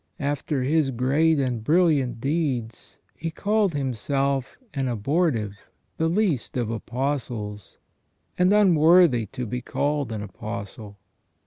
After his great and brilliant deeds he called himself an abortive, the least of apostles, and unworthy to be called an apostle.